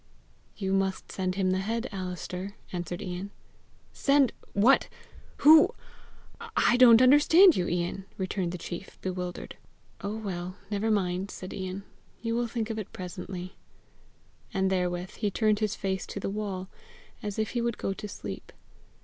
"You must send him the head, Alister," answered Ian. "Send what who I don't understand you, Ian!" returned the chief, bewildered. "Oh, well, never mind!" said Ian. "You will think of it presently!" And therewith he turned his face to the wall, as if he would go to sleep.